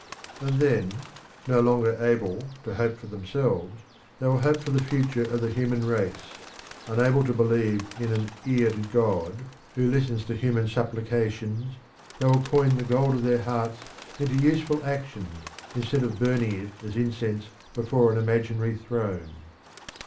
And then, no longer able to hope for themselves, they will hope for the future of the human race: unable to believe in an eared God who listens to human supplications they will coin the gold of their hearts into useful actions instead of burning it as incense before an imaginary throne.